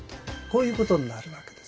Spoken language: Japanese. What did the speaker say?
こういうことになるわけですね。